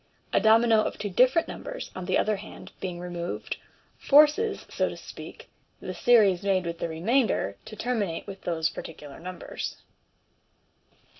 A domino of two different numbers, on the other hand, being removed, " forces," so to speak, the series made with the remainder to terminate with those particular numbers.